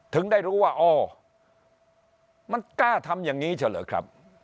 ถึงได้รู้ว่าอ๋อมันกล้าทำอย่างนี้เฉลอครับ